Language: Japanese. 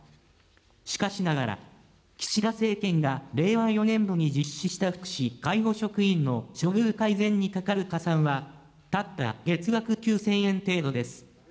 しかしながら、岸田政権が令和４年度に実施した福祉・介護職員の処遇改善にかかる加算はたった月額９０００円程度です。